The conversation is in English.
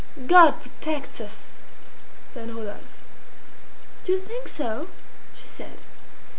"God protects us!" said Rodolphe. "Do you think so?" she said.